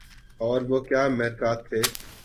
اور وہ کیا محرکات تھے